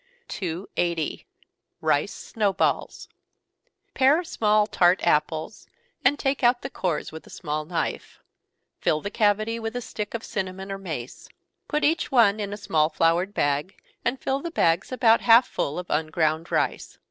280. Rice Snow Balls. Pare small, tart apples, and take out the cores with a small knife fill the cavity with a stick of cinnamon or mace. Put each one in a small floured bag, and fill the bags about half full of unground rice.